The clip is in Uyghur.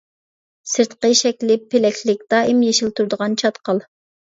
سىرتقى شەكلى پېلەكلىك دائىم يېشىل تۇرىدىغان چاتقال.